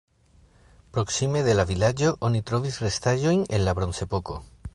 Proksime de la vilaĝo oni trovis restaĵojn el la bronzepoko.